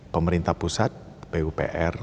pemerintah pusat pupr